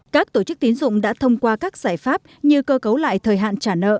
các tổ chức tín dụng đã thông qua các giải pháp như cơ cấu lại thời hạn trả nợ